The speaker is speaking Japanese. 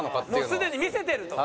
もうすでに見せてると。